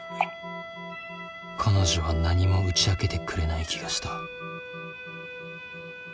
彼女は何も打ち明けてくれない気がした。